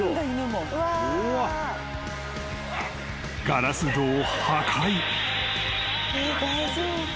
［ガラス戸を破壊］